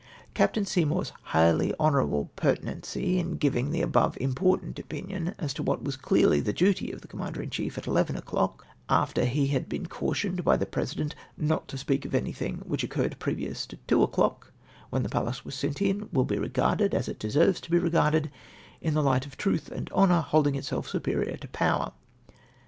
Captain Seymour's highly honourable pertinacity in giving the above important opinion as to what was clearly the duty of the Commander in chief at eleven o'clock, after he had been cautioned by the President not to speak of anything which occurred previous to two o'clock, when the Pallas was sent in, will be regarded — as it deserves to be regarded — in the hght of truth and honour holding itself superior to power.